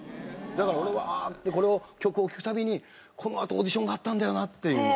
だから俺は「ああ」ってこの曲を聴く度にこのあとオーディションがあったんだよなっていう。